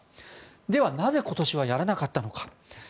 では、なぜ今年はやらなかったのか。